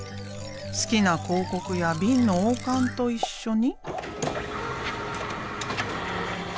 好きな広告やビンの王冠と一緒に。